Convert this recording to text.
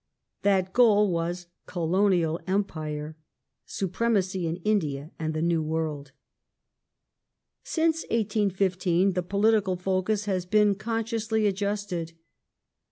That goal was Colonial Empire : supremacy in India and the New World. Since 1815 the political focus has beerf consciously adjusted.